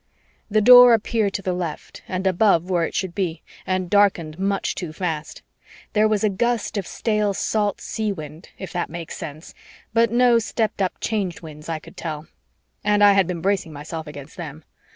The Door appeared to the left and above where it should be and darkened much too fast. There was a gust of stale salt seawind, if that makes sense, but no stepped up Change Winds I could tell and I had been bracing myself against them.